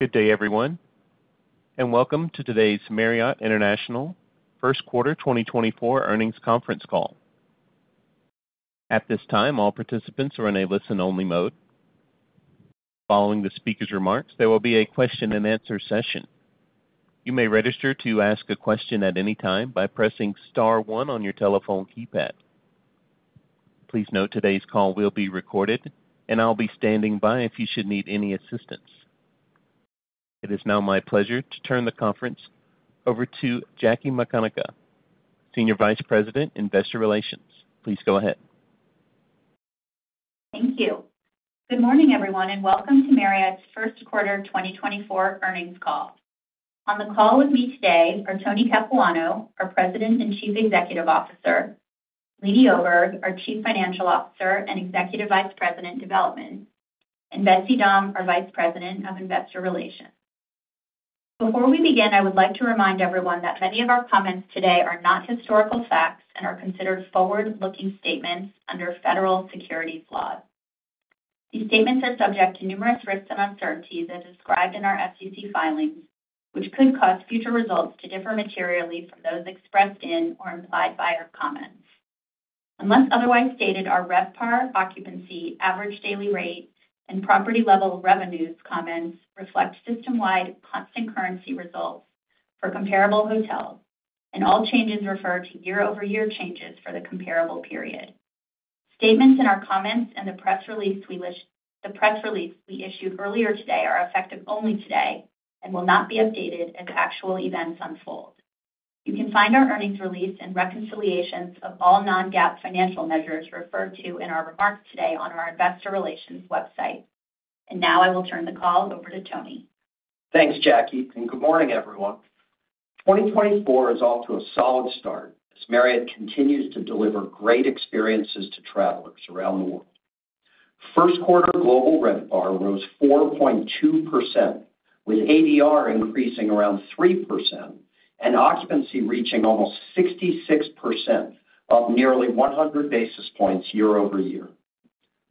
Good day, everyone, and welcome to today's Marriott International First Quarter 2024 Earnings Conference Call. At this time, all participants are in a listen-only mode. Following the speaker's remarks, there will be a question-and-answer session. You may register to ask a question at any time by pressing Star 1 on your telephone keypad. Please note today's call will be recorded, and I'll be standing by if you should need any assistance. It is now my pleasure to turn the conference over to Jackie McConagha, Senior Vice President, Investor Relations. Please go ahead. Thank you. Good morning, everyone, and welcome to Marriott's First Quarter 2024 Earnings Call. On the call with me today are Tony Capuano, our President and Chief Executive Officer; Leeny Oberg, our Chief Financial Officer and Executive Vice President, Development; and Betsy Dahm, our Vice President of Investor Relations. Before we begin, I would like to remind everyone that many of our comments today are not historical facts and are considered forward-looking statements under federal securities law. These statements are subject to numerous risks and uncertainties as described in our SEC filings, which could cause future results to differ materially from those expressed in or implied by our comments. Unless otherwise stated, our RevPAR, Occupancy, Average Daily Rate, and Property Level Revenues comments reflect system-wide constant currency results for comparable hotels, and all changes refer to year-over-year changes for the comparable period. Statements in our comments and the press release we issued earlier today are effective only today and will not be updated as actual events unfold. You can find our earnings release and reconciliations of all non-GAAP financial measures referred to in our remarks today on our Investor Relations website. Now I will turn the call over to Tony. Thanks, Jackie, and good morning, everyone. 2024 is off to a solid start as Marriott continues to deliver great experiences to travelers around the world. First quarter global RevPAR rose 4.2%, with ADR increasing around 3% and occupancy reaching almost 66% of nearly 100 basis points year-over-year.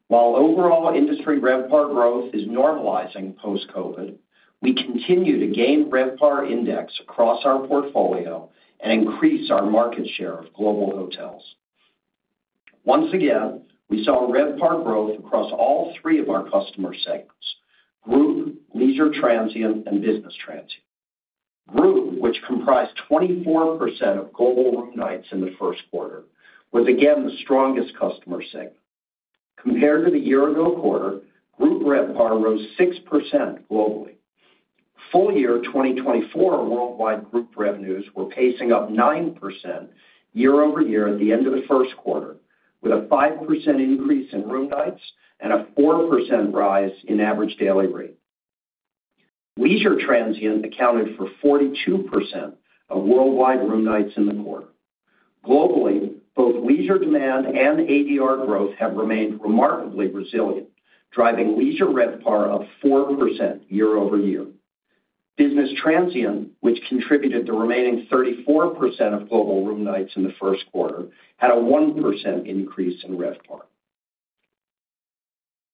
While overall industry RevPAR growth is normalizing post-COVID, we continue to gain RevPAR Index across our portfolio and increase our market share of global hotels. Once again, we saw RevPAR growth across all three of our customer segments: Group, Leisure Transient, and Business Transient. Group, which comprised 24% of global room nights in the first quarter, was again the strongest customer segment. Compared to the year-ago quarter, Group RevPAR rose 6% globally. Full year 2024 worldwide Group revenues were pacing up 9% year-over-year at the end of the first quarter, with a 5% increase in room nights and a 4% rise in average daily rate. Leisure Transient accounted for 42% of worldwide room nights in the quarter. Globally, both leisure demand and ADR growth have remained remarkably resilient, driving Leisure RevPAR up 4% year-over-year. Business Transient, which contributed the remaining 34% of global room nights in the first quarter, had a 1% increase in RevPAR.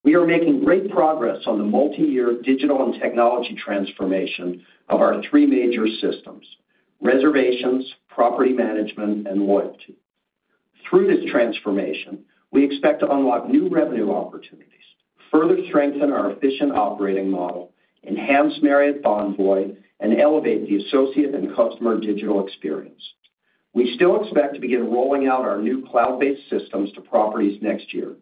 We are making great progress on the multi-year digital and technology transformation of our three major systems: reservations, property management, and loyalty. Through this transformation, we expect to unlock new revenue opportunities, further strengthen our efficient operating model, enhance Marriott Bonvoy, and elevate the associate and customer digital experience. We still expect to begin rolling out our new cloud-based systems to properties next year.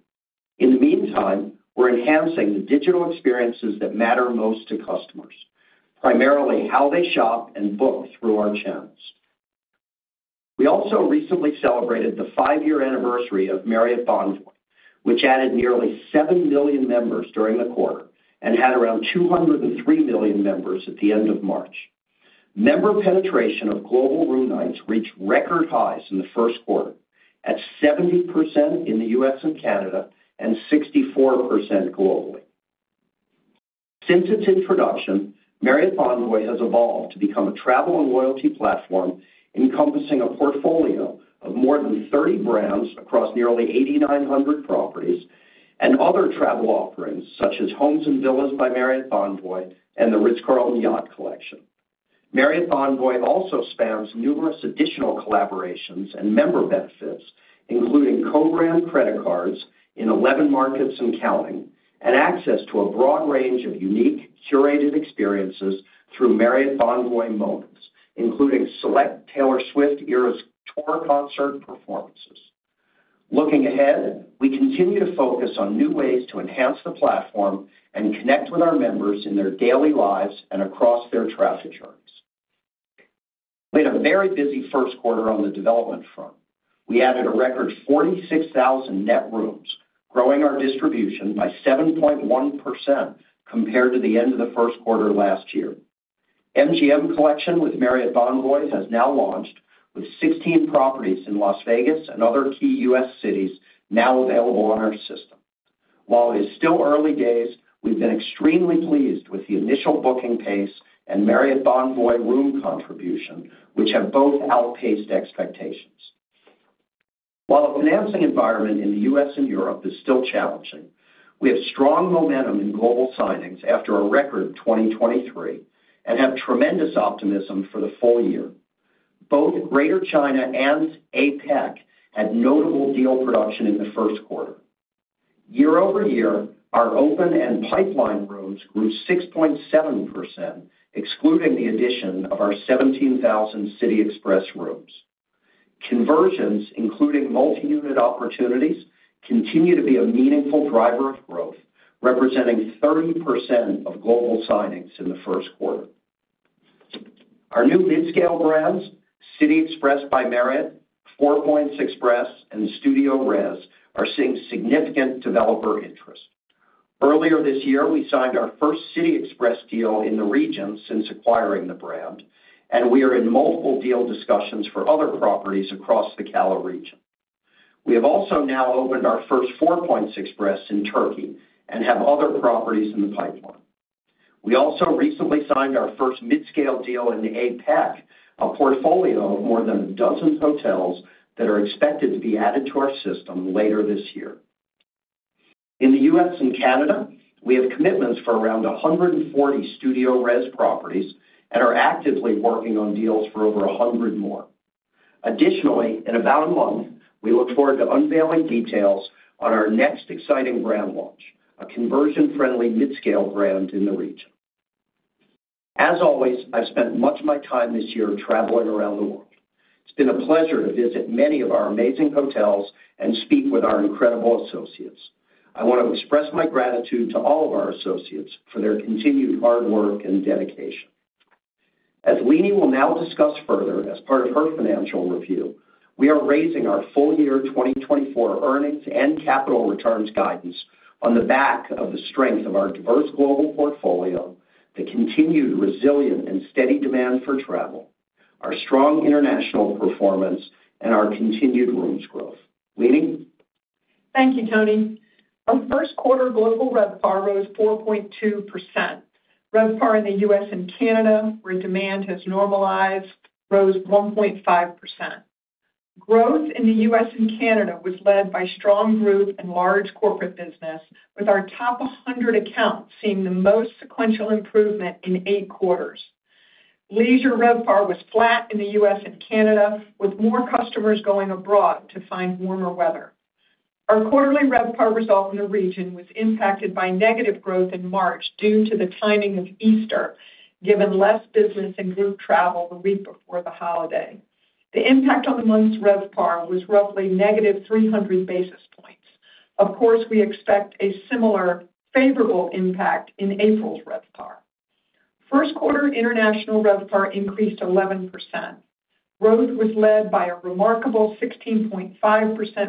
In the meantime, we're enhancing the digital experiences that matter most to customers, primarily how they shop and book through our channels. We also recently celebrated the five-year anniversary of Marriott Bonvoy, which added nearly 7 million members during the quarter and had around 203 million members at the end of March. Member penetration of global room nights reached record highs in the first quarter, at 70% in the US and Canada and 64% globally. Since its introduction, Marriott Bonvoy has evolved to become a travel and loyalty platform encompassing a portfolio of more than 30 brands across nearly 8,900 properties and other travel offerings such as Homes and Villas by Marriott Bonvoy and the Ritz-Carlton Yacht Collection. Marriott Bonvoy also spans numerous additional collaborations and member benefits, including co-brand credit cards in 11 markets and counting, and access to a broad range of unique, curated experiences through Marriott Bonvoy Moments, including select Taylor Swift Eras Tour concert performances. Looking ahead, we continue to focus on new ways to enhance the platform and connect with our members in their daily lives and across their travel journeys. We had a very busy first quarter on the development front. We added a record 46,000 net rooms, growing our distribution by 7.1% compared to the end of the first quarter last year. MGM Collection with Marriott Bonvoy has now launched, with 16 properties in Las Vegas and other key U.S. cities now available on our system. While it is still early days, we've been extremely pleased with the initial booking pace and Marriott Bonvoy room contribution, which have both outpaced expectations. While the financing environment in the U.S. and Europe is still challenging, we have strong momentum in global signings after a record 2023 and have tremendous optimism for the full year. Both Greater China and APEC had notable deal production in the first quarter. Year-over-year, our open and pipeline rooms grew 6.7%, excluding the addition of our 17,000 City Express rooms. Conversions, including multi-unit opportunities, continue to be a meaningful driver of growth, representing 30% of global signings in the first quarter. Our new mid-scale brands, City Express by Marriott, Four Points Express, and StudioRes, are seeing significant developer interest. Earlier this year, we signed our first City Express deal in the region since acquiring the brand, and we are in multiple deal discussions for other properties across the CALA region. We have also now opened our first Four Points Express in Turkey and have other properties in the pipeline. We also recently signed our first mid-scale deal in APEC, a portfolio of more than a dozen hotels that are expected to be added to our system later this year. In the U.S. and Canada, we have commitments for around 140 StudioRes properties and are actively working on deals for over 100 more. Additionally, in about a month, we look forward to unveiling details on our next exciting brand launch, a conversion-friendly mid-scale brand in the region. As always, I've spent much of my time this year traveling around the world. It's been a pleasure to visit many of our amazing hotels and speak with our incredible associates. I want to express my gratitude to all of our associates for their continued hard work and dedication. As Leeny will now discuss further as part of her financial review, we are raising our full year 2024 earnings and capital returns guidance on the back of the strength of our diverse global portfolio, the continued resilient and steady demand for travel, our strong international performance, and our continued rooms growth. Leeny? Thank you, Tony. Our first quarter global RevPAR rose 4.2%. RevPAR in the U.S. and Canada, where demand has normalized, rose 1.5%. Growth in the U.S. and Canada was led by strong group and large corporate business, with our top 100 accounts seeing the most sequential improvement in eight quarters. Leisure RevPAR was flat in the U.S. and Canada, with more customers going abroad to find warmer weather. Our quarterly RevPAR result in the region was impacted by negative growth in March due to the timing of Easter, given less business and group travel the week before the holiday. The impact on the month's RevPAR was roughly negative 300 basis points. Of course, we expect a similar favorable impact in April's RevPAR. First quarter international RevPAR increased 11%. Growth was led by a remarkable 16.5%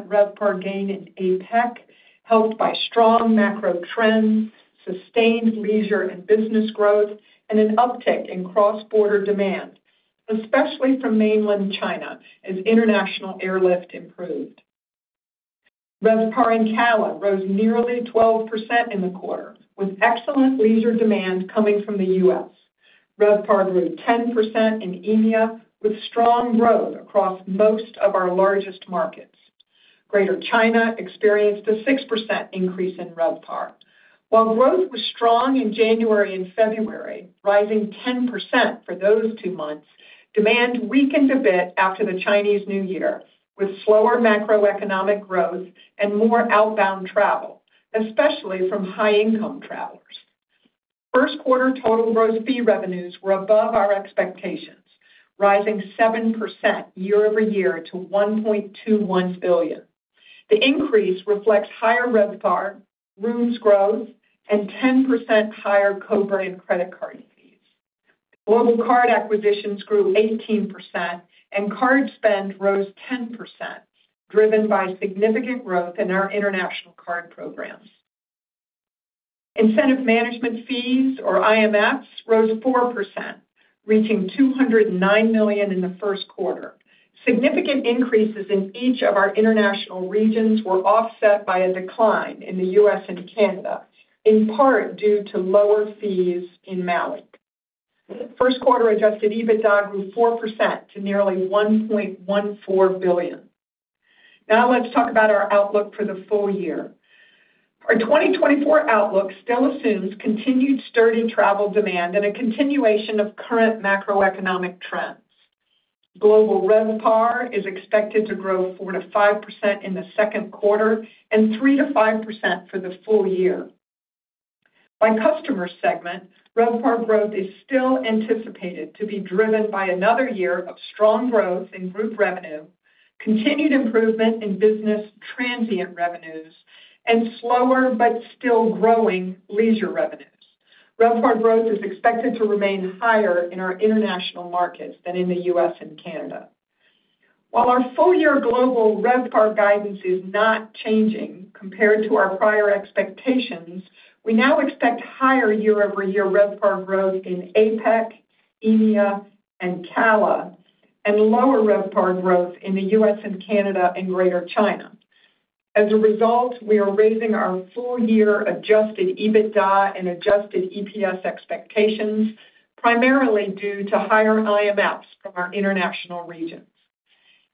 RevPAR gain in APEC, helped by strong macro trends, sustained leisure and business growth, and an uptick in cross-border demand, especially from mainland China as international airlift improved. RevPAR in CALA rose nearly 12% in the quarter, with excellent leisure demand coming from the U.S. RevPAR grew 10% in EMEA, with strong growth across most of our largest markets. Greater China experienced a 6% increase in RevPAR. While growth was strong in January and February, rising 10% for those two months, demand weakened a bit after the Chinese New Year, with slower macroeconomic growth and more outbound travel, especially from high-income travelers. First quarter total gross fee revenues were above our expectations, rising 7% year-over-year to $1.21 billion. The increase reflects higher RevPAR, rooms growth, and 10% higher co-branded credit card fees. Global card acquisitions grew 18%, and card spend rose 10%, driven by significant growth in our international card programs. Incentive management fees, or IMFs, rose 4%, reaching $209 million in the first quarter. Significant increases in each of our international regions were offset by a decline in the U.S. and Canada, in part due to lower fees in Maui. First quarter Adjusted EBITDA grew 4% to nearly $1.14 billion. Now let's talk about our outlook for the full year. Our 2024 outlook still assumes continued sturdy travel demand and a continuation of current macroeconomic trends. Global RevPAR is expected to grow 4%-5% in the second quarter and 3%-5% for the full year. By customer segment, RevPAR growth is still anticipated to be driven by another year of strong growth in group revenue, continued improvement in business transient revenues, and slower but still growing leisure revenues. RevPAR growth is expected to remain higher in our international markets than in the U.S. and Canada. While our full-year global RevPAR guidance is not changing compared to our prior expectations, we now expect higher year-over-year RevPAR growth in APEC, EMEA, and CALA, and lower RevPAR growth in the U.S. and Canada and Greater China. As a result, we are raising our full-year Adjusted EBITDA and Adjusted EPS expectations, primarily due to higher IMFs from our international regions.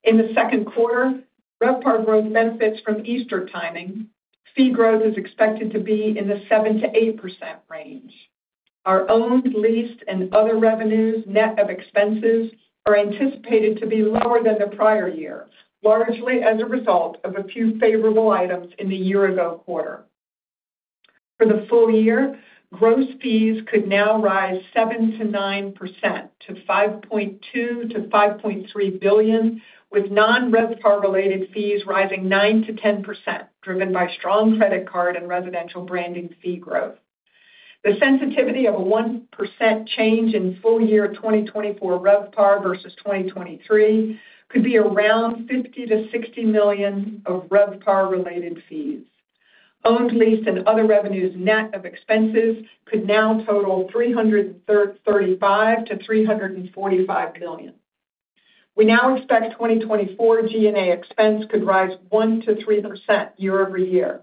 In the second quarter, RevPAR growth benefits from Easter timing. Fee growth is expected to be in the 7%-8% range. Our owned, leased and other revenues net of expenses are anticipated to be lower than the prior year, largely as a result of a few favorable items in the year-ago quarter. For the full year, gross fees could now rise 7%-9% to $5.2 billion-$5.3 billion, with non-RevPAR-related fees rising 9%-10%, driven by strong credit card and residential branding fee growth. The sensitivity of a 1% change in full-year 2024 RevPAR versus 2023 could be around $50 million-$60 million of RevPAR-related fees. Owned, leased and other revenues net of expenses could now total $335 million-$345 million. We now expect 2024 G&A expense could rise 1%-3% year-over-year.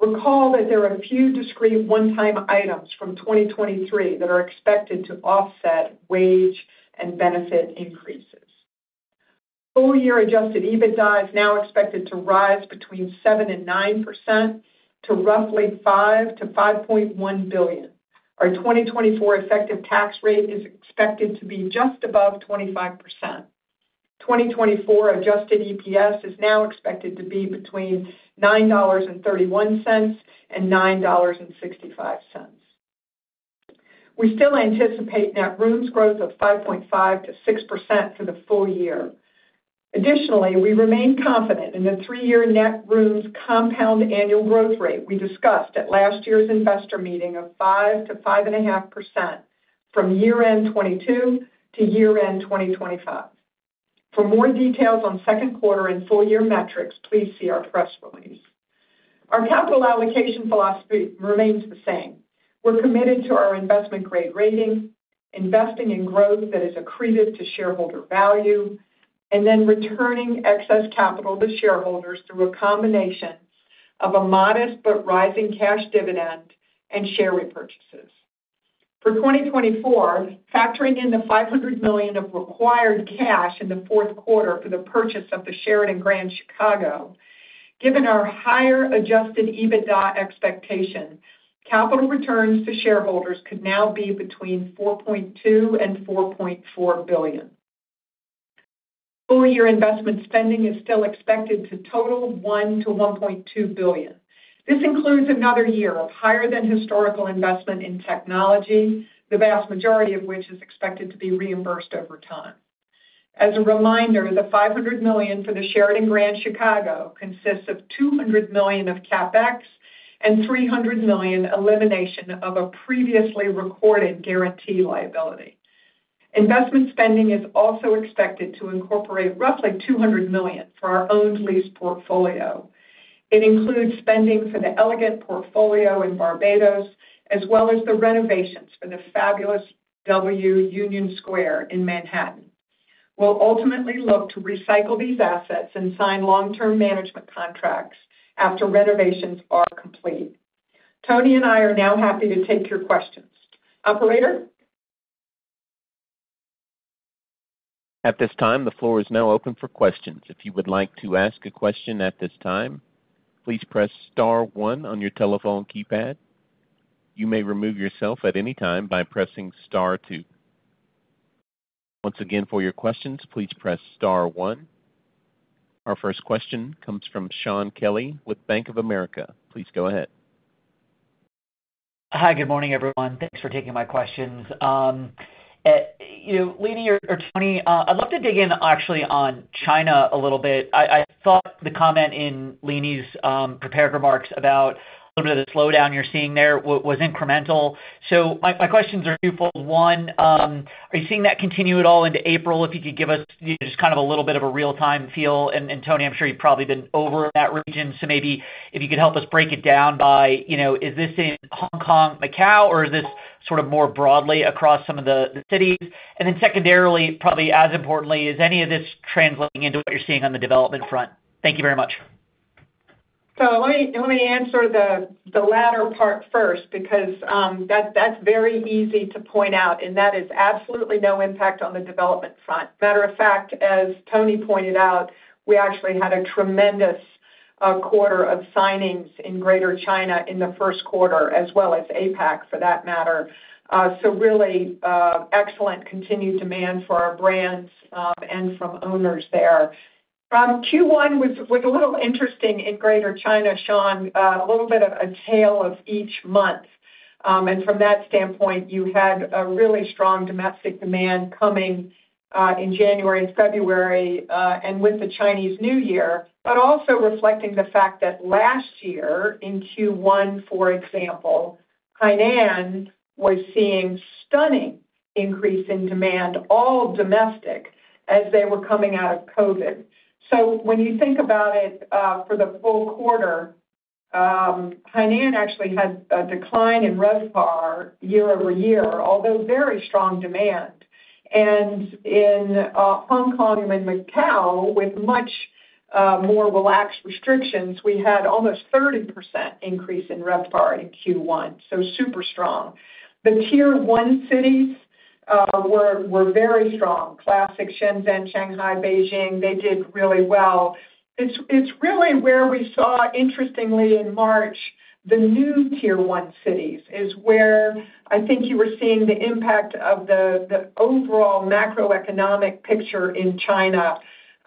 Recall that there are a few discrete one-time items from 2023 that are expected to offset wage and benefit increases. Full-year adjusted EBITDA is now expected to rise between 7% and 9% to roughly $5 billion-$5.1 billion. Our 2024 effective tax rate is expected to be just above 25%. 2024 adjusted EPS is now expected to be between $9.31 and $9.65. We still anticipate net rooms growth of 5.5%-6% for the full year. Additionally, we remain confident in the three-year net rooms compound annual growth rate we discussed at last year's investor meeting of 5%-5.5% from year-end 2022 to year-end 2025. For more details on second quarter and full year metrics, please see our press release. Our capital allocation philosophy remains the same. We're committed to our investment-grade rating, investing in growth that is accretive to shareholder value, and then returning excess capital to shareholders through a combination of a modest but rising cash dividend and share repurchases. For 2024, factoring in the $500 million of required cash in the fourth quarter for the purchase of the Sheraton Grand Chicago, given our higher Adjusted EBITDA expectation, capital returns to shareholders could now be between $4.2 billion and $4.4 billion. Full year investment spending is still expected to total $1 billion-$1.2 billion. This includes another year of higher than historical investment in technology, the vast majority of which is expected to be reimbursed over time. As a reminder, the $500 million for the Sheraton Grand Chicago consists of $200 million of CapEx and $300 million elimination of a previously recorded guarantee liability. Investment spending is also expected to incorporate roughly $200 million for our owned lease portfolio. It includes spending for the Elegant portfolio in Barbados, as well as the renovations for the fabulous W New York - Union Square in Manhattan. We'll ultimately look to recycle these assets and sign long-term management contracts after renovations are complete. Tony and I are now happy to take your questions. Operator? At this time, the floor is now open for questions. If you would like to ask a question at this time, please press star 1 on your telephone keypad. You may remove yourself at any time by pressing star 2. Once again, for your questions, please press star 1. Our first question comes from Shaun Kelley with Bank of America. Please go ahead. Hi, good morning, everyone. Thanks for taking my questions. Leeny or Tony, I'd love to dig in actually on China a little bit. I thought the comment in Leeny's prepared remarks about a little bit of the slowdown you're seeing there was incremental. So my questions are twofold. One, are you seeing that continue at all into April? If you could give us just kind of a little bit of a real-time feel. And Tony, I'm sure you've probably been over in that region, so maybe if you could help us break it down by, is this in Hong Kong, Macau, or is this sort of more broadly across some of the cities? And then secondarily, probably as importantly, is any of this translating into what you're seeing on the development front? Thank you very much. So let me answer the latter part first because that's very easy to point out, and that is absolutely no impact on the development front. Matter of fact, as Tony pointed out, we actually had a tremendous quarter of signings in Greater China in the first quarter, as well as APEC for that matter. So really excellent continued demand for our brands and from owners there. Q1 was a little interesting in Greater China, Sean, a little bit of a tale of each month. And from that standpoint, you had a really strong domestic demand coming in January and February and with the Chinese New Year, but also reflecting the fact that last year in Q1, for example, Hainan was seeing a stunning increase in demand, all domestic, as they were coming out of COVID. So when you think about it for the full quarter, Hainan actually had a decline in RevPAR year-over-year, although very strong demand. And in Hong Kong and Macau, with much more relaxed restrictions, we had almost 30% increase in RevPAR in Q1, so super strong. The tier one cities were very strong, classic Shenzhen, Shanghai, Beijing. They did really well. It's really where we saw, interestingly, in March, the new tier one cities is where I think you were seeing the impact of the overall macroeconomic picture in China,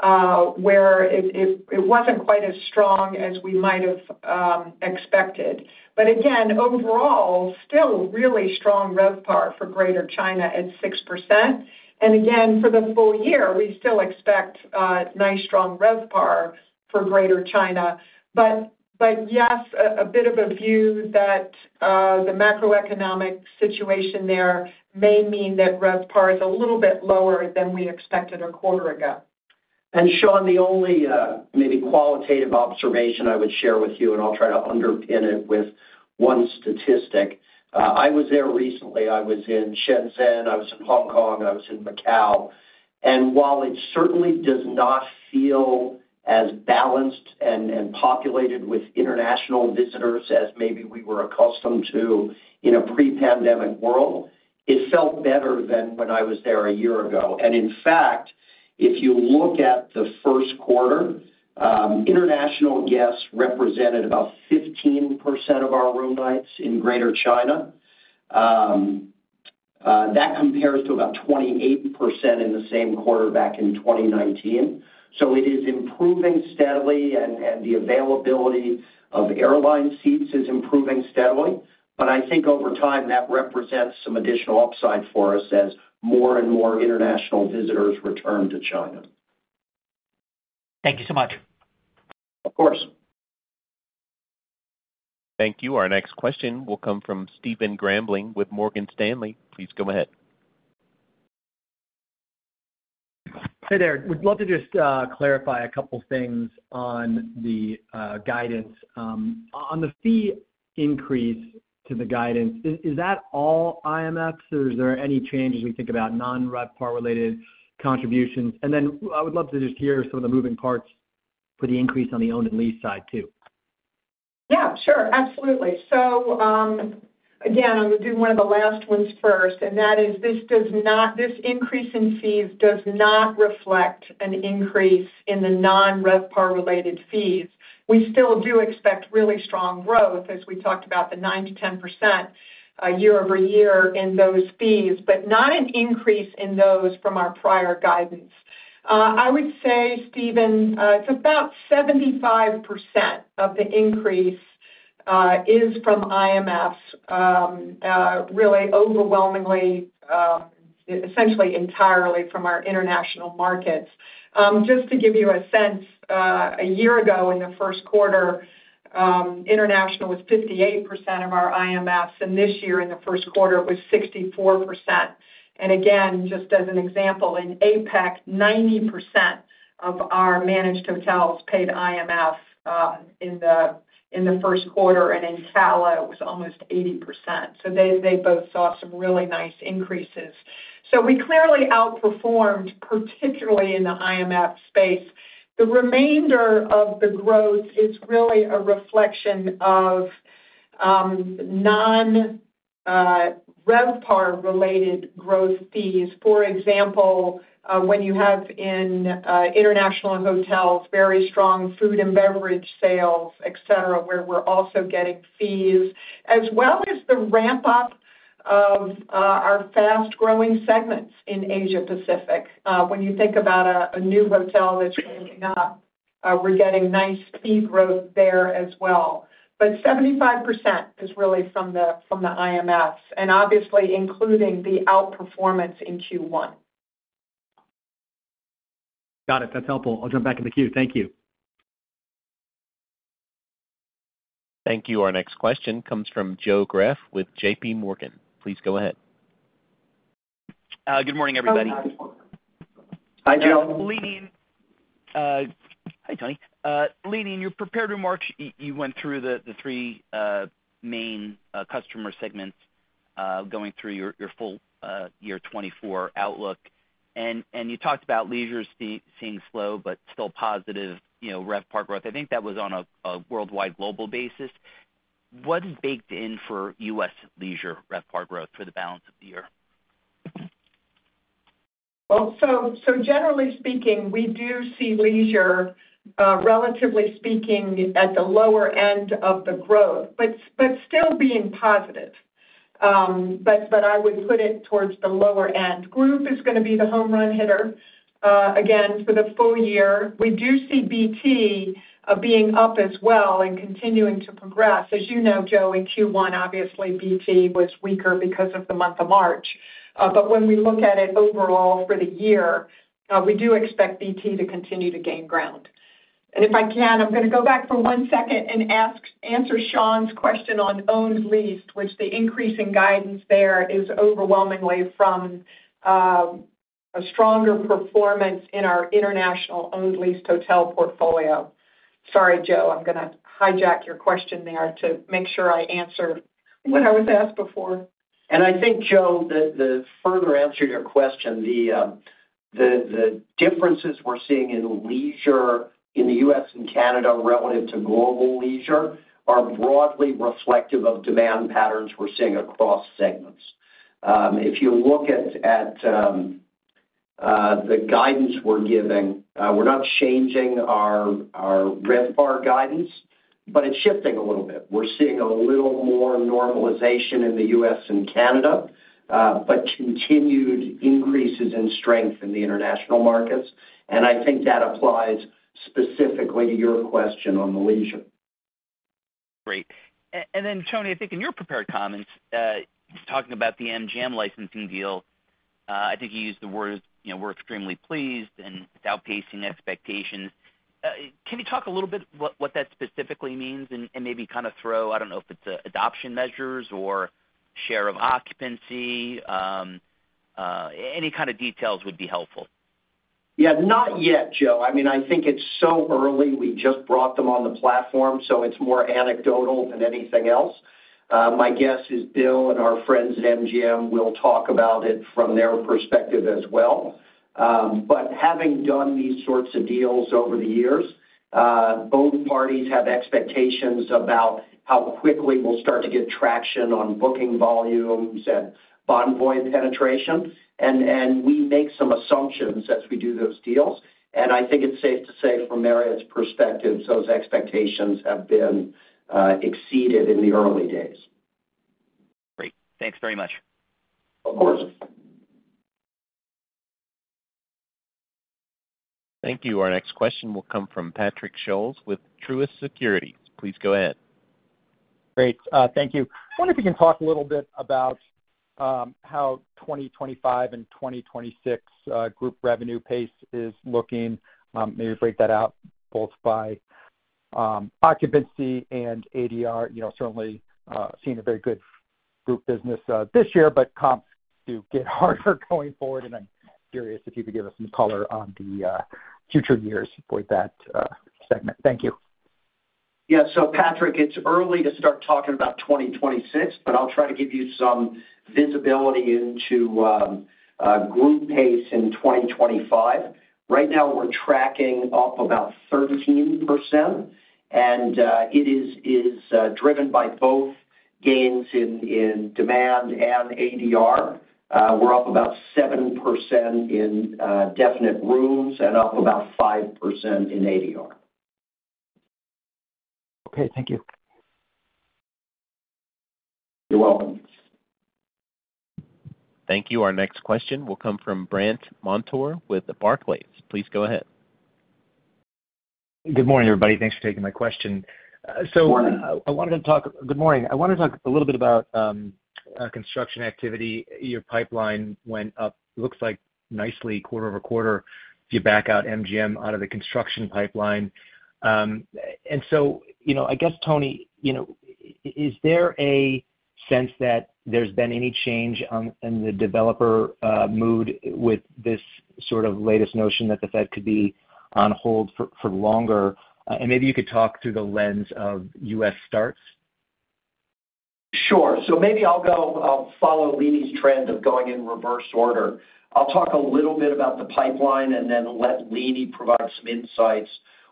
where it wasn't quite as strong as we might have expected. But again, overall, still really strong RevPAR for Greater China at 6%. And again, for the full year, we still expect nice strong RevPAR for Greater China. But yes, a bit of a view that the macroeconomic situation there may mean that RevPAR is a little bit lower than we expected a quarter ago. Shaun, the only maybe qualitative observation I would share with you, and I'll try to underpin it with one statistic. I was there recently. I was in Shenzhen. I was in Hong Kong. I was in Macau. While it certainly does not feel as balanced and populated with international visitors as maybe we were accustomed to in a pre-pandemic world, it felt better than when I was there a year ago. In fact, if you look at the first quarter, international guests represented about 15% of our room nights in Greater China. That compares to about 28% in the same quarter back in 2019. So it is improving steadily, and the availability of airline seats is improving steadily. But I think over time, that represents some additional upside for us as more and more international visitors return to China. Thank you so much. Of course. Thank you. Our next question will come from Stephen Grambling with Morgan Stanley. Please go ahead. Hey there. Would love to just clarify a couple of things on the guidance. On the fee increase to the guidance, is that all IMFs, or is there any changes we think about non-RevPAR-related contributions? And then I would love to just hear some of the moving parts for the increase on the owned and leased side too. Yeah, sure. Absolutely. So again, I'm going to do one of the last ones first, and that is this increase in fees does not reflect an increase in the non-RevPAR-related fees. We still do expect really strong growth, as we talked about, the 9%-10% year-over-year in those fees, but not an increase in those from our prior guidance. I would say, Stephen, it's about 75% of the increase is from IMFs, really overwhelmingly, essentially entirely from our international markets. Just to give you a sense, a year ago in the first quarter, international was 58% of our IMFs, and this year in the first quarter, it was 64%. And again, just as an example, in APEC, 90% of our managed hotels paid IMF in the first quarter, and in CALA, it was almost 80%. So they both saw some really nice increases. So we clearly outperformed, particularly in the IMF space. The remainder of the growth is really a reflection of non-RevPAR-related growth fees. For example, when you have in international hotels very strong food and beverage sales, etc., where we're also getting fees, as well as the ramp-up of our fast-growing segments in Asia-Pacific. When you think about a new hotel that's ramping up, we're getting nice fee growth there as well. But 75% is really from the IMFs, and obviously including the outperformance in Q1. Got it. That's helpful. I'll jump back into Q. Thank you. Thank you. Our next question comes from Joe Greff with JPMorgan. Please go ahead. Good morning, everybody. Hi, Joe. Leeny. Hi, Tony. Leeny, your prepared remarks, you went through the three main customer segments going through your full year 2024 outlook. You talked about leisure seeing slow but still positive RevPAR growth. I think that was on a worldwide, global basis. What is baked in for U.S. leisure RevPAR growth for the balance of the year? Well, so generally speaking, we do see leisure, relatively speaking, at the lower end of the growth, but still being positive. But I would put it towards the lower end. Group is going to be the home run hitter. Again, for the full year, we do see BT being up as well and continuing to progress. As you know, Joe, in Q1, obviously, BT was weaker because of the month of March. But when we look at it overall for the year, we do expect BT to continue to gain ground. And if I can, I'm going to go back for one second and answer Sean's question on owned lease, which the increase in guidance there is overwhelmingly from a stronger performance in our international owned leased hotel portfolio. Sorry, Joe. I'm going to hijack your question there to make sure I answer what I was asked before. I think, Joe, the further answer to your question, the differences we're seeing in leisure in the U.S. and Canada relative to global leisure are broadly reflective of demand patterns we're seeing across segments. If you look at the guidance we're giving, we're not changing our RevPAR guidance, but it's shifting a little bit. We're seeing a little more normalization in the U.S. and Canada, but continued increases in strength in the international markets. I think that applies specifically to your question on the leisure. Great. And then, Tony, I think in your prepared comments, talking about the MGM licensing deal, I think you used the words, "We're extremely pleased," and "it's outpacing expectations." Can you talk a little bit what that specifically means and maybe kind of throw, I don't know if it's adoption measures or share of occupancy? Any kind of details would be helpful. Yeah, not yet, Joe. I mean, I think it's so early. We just brought them on the platform, so it's more anecdotal than anything else. My guess is Bill and our friends at MGM will talk about it from their perspective as well. But having done these sorts of deals over the years, both parties have expectations about how quickly we'll start to get traction on booking volumes and Bonvoy penetration. And we make some assumptions as we do those deals. And I think it's safe to say from Marriott's perspective, those expectations have been exceeded in the early days. Great. Thanks very much. Of course. Thank you. Our next question will come from Patrick Scholes with Truist Securities. Please go ahead. Great. Thank you. I wonder if you can talk a little bit about how 2025 and 2026 group revenue pace is looking? Maybe break that out both by occupancy and ADR. Certainly seeing a very good group business this year, but comps do get harder going forward. And I'm curious if you could give us some color on the future years for that segment? Thank you. Yeah. So, Patrick, it's early to start talking about 2026, but I'll try to give you some visibility into group pace in 2025. Right now, we're tracking up about 13%, and it is driven by both gains in demand and ADR. We're up about 7% in definite rooms and up about 5% in ADR. Okay. Thank you. You're welcome. Thank you. Our next question will come from Brant Montour with Barclays. Please go ahead. Good morning, everybody. Thanks for taking my question. So I wanted to talk a little bit about construction activity. Your pipeline went up, looks like, nicely quarter-over-quarter if you back out MGM out of the construction pipeline. And so I guess, Tony, is there a sense that there's been any change in the developer mood with this sort of latest notion that the Fed could be on hold for longer? And maybe you could talk through the lens of U.S. starts. Sure. So maybe I'll follow Leeny's trend of going in reverse order. I'll talk a little bit about the pipeline and then let Leeny provide some insights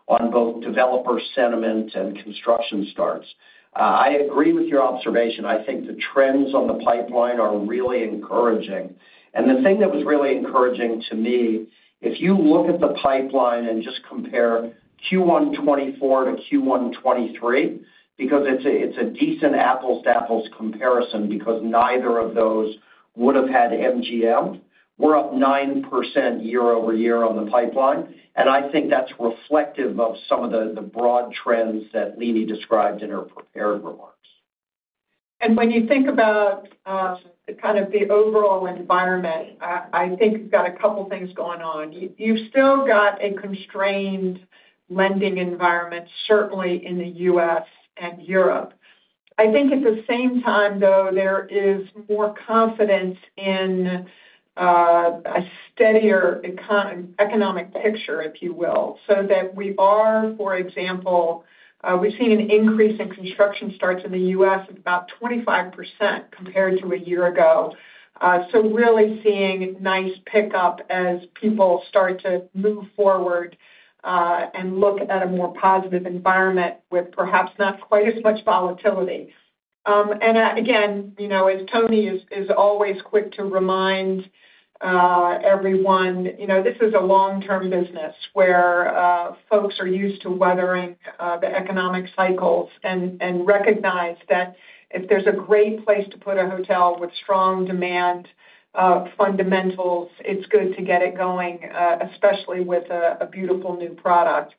on both developer sentiment and construction starts. I agree with your observation. I think the trends on the pipeline are really encouraging. And the thing that was really encouraging to me, if you look at the pipeline and just compare Q1 2024 to Q1 2023, because it's a decent apples-to-apples comparison because neither of those would have had MGM, we're up 9% year-over-year on the pipeline. And I think that's reflective of some of the broad trends that Leeny described in her prepared remarks. When you think about kind of the overall environment, I think you've got a couple of things going on. You've still got a constrained lending environment, certainly in the U.S. and Europe. I think at the same time, though, there is more confidence in a steadier economic picture, if you will, so that we are, for example, we've seen an increase in construction starts in the U.S. of about 25% compared to a year ago. Really seeing nice pickup as people start to move forward and look at a more positive environment with perhaps not quite as much volatility. Again, as Tony is always quick to remind everyone, this is a long-term business where folks are used to weathering the economic cycles and recognize that if there's a great place to put a hotel with strong demand fundamentals, it's good to get it going, especially with a beautiful new product.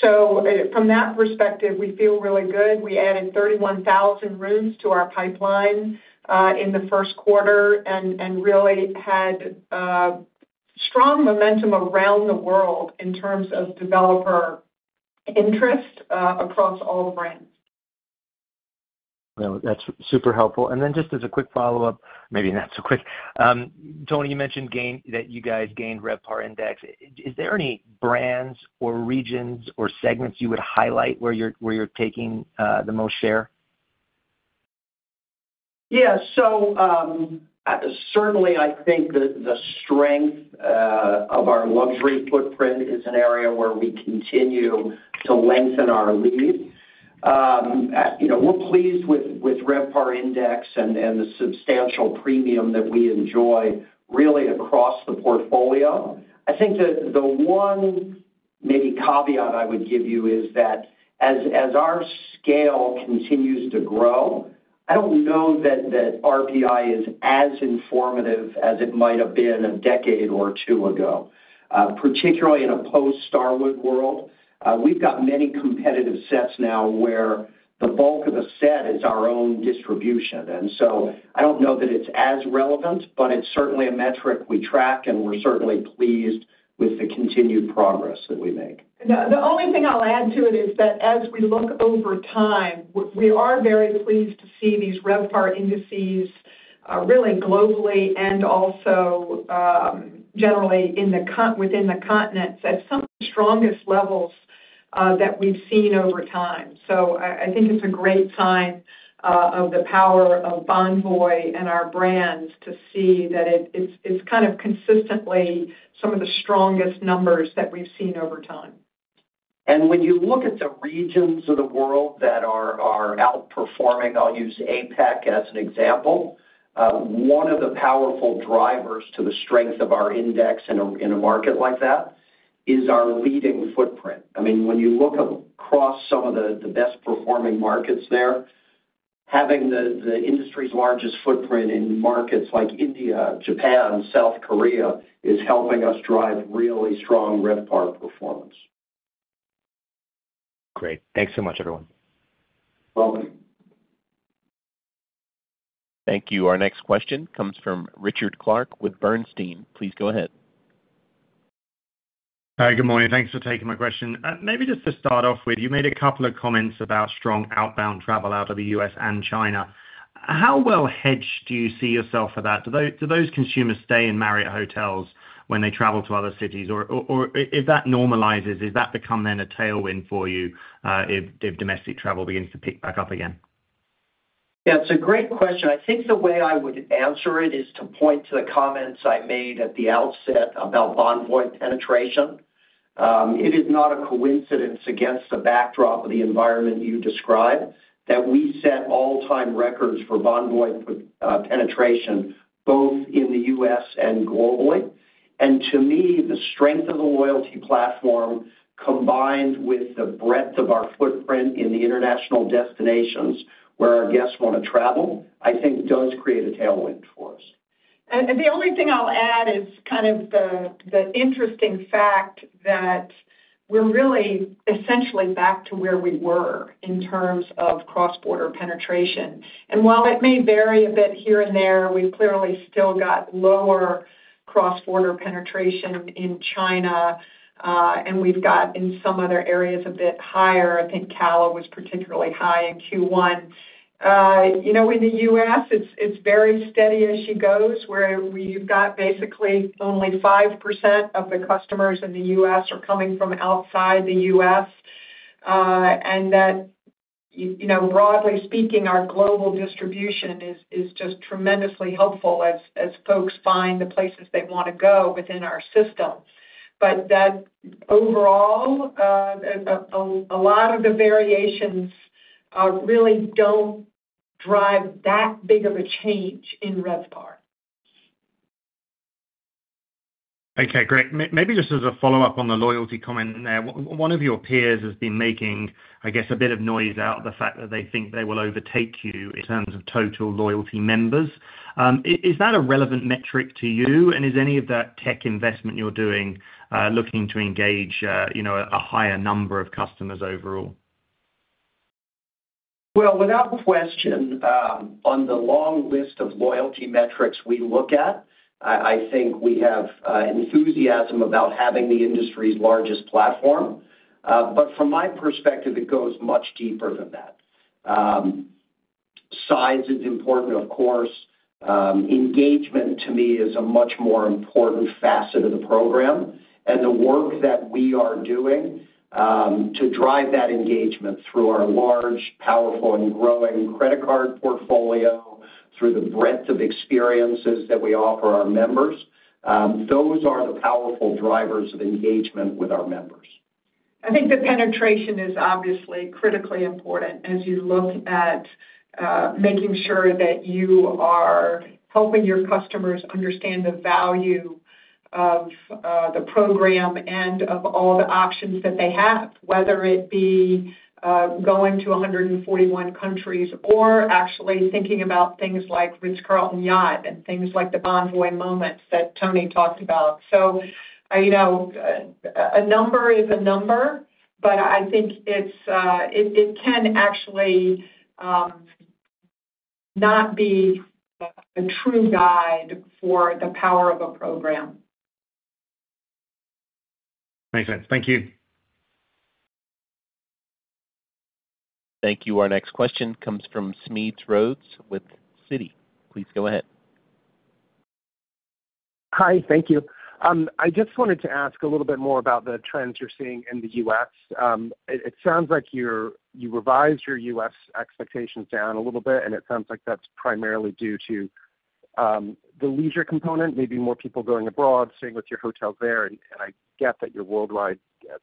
From that perspective, we feel really good. We added 31,000 rooms to our pipeline in the first quarter and really had strong momentum around the world in terms of developer interest across all brands. Well, that's super helpful. And then just as a quick follow-up, maybe not so quick. Tony, you mentioned that you guys gained RevPAR Index. Is there any brands or regions or segments you would highlight where you're taking the most share? Yeah. So certainly, I think the strength of our luxury footprint is an area where we continue to lengthen our lead. We're pleased with RevPAR Index and the substantial premium that we enjoy really across the portfolio. I think the one maybe caveat I would give you is that as our scale continues to grow, I don't know that RPI is as informative as it might have been a decade or two ago, particularly in a post-Starwood world. We've got many competitive sets now where the bulk of the set is our own distribution. And so I don't know that it's as relevant, but it's certainly a metric we track, and we're certainly pleased with the continued progress that we make. The only thing I'll add to it is that as we look over time, we are very pleased to see these RevPAR indices really globally and also generally within the continent at some of the strongest levels that we've seen over time. So I think it's a great sign of the power of Bonvoy and our brands to see that it's kind of consistently some of the strongest numbers that we've seen over time. When you look at the regions of the world that are outperforming, I'll use APEC as an example, one of the powerful drivers to the strength of our index in a market like that is our leading footprint. I mean, when you look across some of the best-performing markets there, having the industry's largest footprint in markets like India, Japan, South Korea is helping us drive really strong RevPAR performance. Great. Thanks so much, everyone. You're welcome. Thank you. Our next question comes from Richard Clarke with Bernstein. Please go ahead. Hi. Good morning. Thanks for taking my question. Maybe just to start off with, you made a couple of comments about strong outbound travel out of the U.S. and China. How well hedged do you see yourself for that? Do those consumers stay in Marriott hotels when they travel to other cities? Or if that normalizes, is that become then a tailwind for you if domestic travel begins to pick back up again? Yeah. It's a great question. I think the way I would answer it is to point to the comments I made at the outset about Bonvoy penetration. It is not a coincidence against the backdrop of the environment you describe that we set all-time records for Bonvoy penetration both in the U.S. and globally. And to me, the strength of the loyalty platform combined with the breadth of our footprint in the international destinations where our guests want to travel, I think, does create a tailwind for us. The only thing I'll add is kind of the interesting fact that we're really essentially back to where we were in terms of cross-border penetration. While it may vary a bit here and there, we've clearly still got lower cross-border penetration in China, and we've got in some other areas a bit higher. I think CALA was particularly high in Q1. In the U.S., it's very steady as she goes, where you've got basically only 5% of the customers in the U.S. are coming from outside the U.S. That, broadly speaking, our global distribution is just tremendously helpful as folks find the places they want to go within our system. But overall, a lot of the variations really don't drive that big of a change in RevPAR. Okay. Great. Maybe just as a follow-up on the loyalty comment there, one of your peers has been making, I guess, a bit of noise out of the fact that they think they will overtake you in terms of total loyalty members. Is that a relevant metric to you? And is any of that tech investment you're doing looking to engage a higher number of customers overall? Well, without question, on the long list of loyalty metrics we look at, I think we have enthusiasm about having the industry's largest platform. But from my perspective, it goes much deeper than that. Size is important, of course. Engagement, to me, is a much more important facet of the program. And the work that we are doing to drive that engagement through our large, powerful, and growing credit card portfolio, through the breadth of experiences that we offer our members, those are the powerful drivers of engagement with our members. I think the penetration is obviously critically important as you look at making sure that you are helping your customers understand the value of the program and of all the options that they have, whether it be going to 141 countries or actually thinking about things like Ritz-Carlton Yacht and things like the Bonvoy Moments that Tony talked about. So a number is a number, but I think it can actually not be a true guide for the power of a program. Makes sense. Thank you. Thank you. Our next question comes from Smedes Rose with Citi. Please go ahead. Hi. Thank you. I just wanted to ask a little bit more about the trends you're seeing in the U.S. It sounds like you revised your U.S. expectations down a little bit, and it sounds like that's primarily due to the leisure component, maybe more people going abroad, staying with your hotels there. And I get that your worldwide